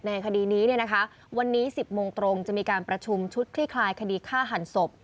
คดีนี้วันนี้๑๐โมงตรงจะมีการประชุมชุดคลี่คลายคดีฆ่าหันศพ